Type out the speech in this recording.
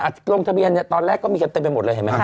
อาทิตย์ถึงโรงทะเบียนตอนแรกก็มีอยู่ไปเต็มไปหมดเลย